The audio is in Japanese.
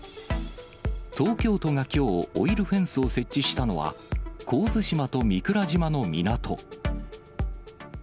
東京都がきょう、オイルフェンスを設置したのは、神津島と御蔵島の港。